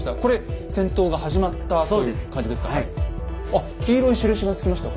あっ黄色い印がつきました。